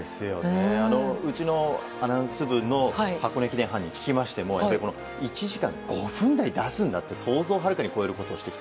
うちのアナウンス部の箱根駅伝ファンに聞きましてもやっぱり１時間５分台を出すんだって想像をはるかに超えると。